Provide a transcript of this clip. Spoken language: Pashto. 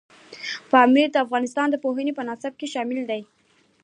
پامیر د افغانستان د پوهنې په نصاب کې شامل دی.